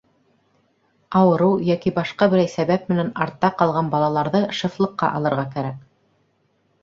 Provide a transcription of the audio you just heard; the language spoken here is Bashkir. — Ауырыу йәки башҡа берәй сәбәп менән артта ҡалған балаларҙы шефлыҡҡа алырға кәрәк.